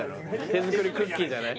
手作りクッキーじゃない？